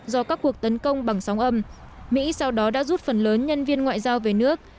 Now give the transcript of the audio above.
do các cuộc tấn công bằng sóng âm mỹ sau đó đã rút phần lớn nhân viên ngoại giao về nước